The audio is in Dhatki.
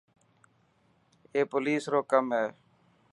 اي پوليس رو ڪم هي.